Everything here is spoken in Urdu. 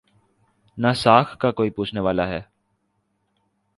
نہ ساکھ کا کوئی پوچھنے والا ہے۔